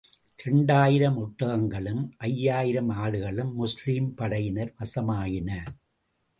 இரண்டாயிரம் ஒட்டகங்களும், ஐயாயிரம் ஆடுகளும் முஸ்லிம் படையினர் வசமாயின.